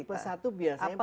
tipe satu biasanya pada